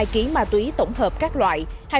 tám mươi hai kg ma túy tổng hợp các loại